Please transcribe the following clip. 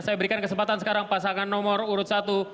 saya berikan kesempatan sekarang pasangan nomor urut satu